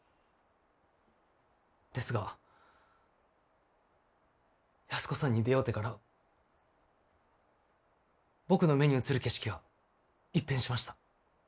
ですが安子さんに出会うてから僕の目に映る景色が一変しました。